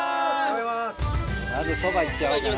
まずそばいっちゃおうかな。